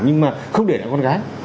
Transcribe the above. nhưng mà không để lại con gái